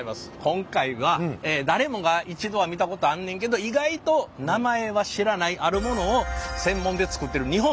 今回は誰もが一度は見たことあんねんけど意外と名前は知らないあるものを専門で作ってる日本唯一の工場らしい。